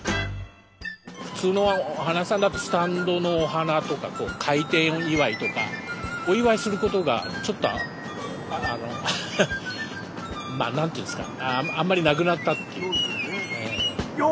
普通のお花屋さんだとスタンドのお花とか開店祝とかお祝いすることがちょっとあの何て言うんですかあんまりなくなったっていうか。